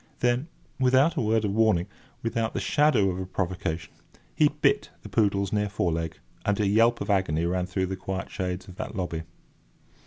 Then, without a word of warning, without the shadow of a provocation, he bit that poodle's near fore leg, and a yelp of agony rang through the quiet shades of that lobby.